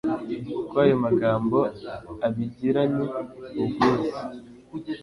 ko aya magambo, abigiranye ubwuzu